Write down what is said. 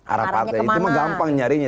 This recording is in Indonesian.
arah partai itu mah gampang nyarinya